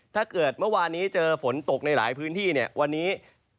ถ้าเกิดเมื่อวานนี้เจอฝนตกในหลายพื้นที่เนี่ยวันนี้